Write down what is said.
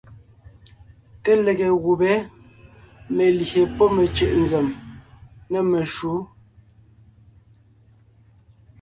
Té lege gùbé (melyè pɔ́ mecʉ̀ʼ nzèm) nê meshǔ.